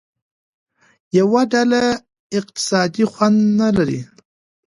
یوه ډله اقتصادي خوند نه لري.